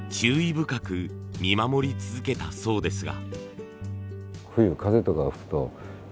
深く見守り続けたそうですが。